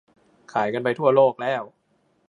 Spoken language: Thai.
ขายกันไปทั่วโลกแล้ว